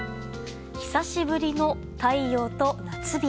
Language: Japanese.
久しぶりの太陽と夏日。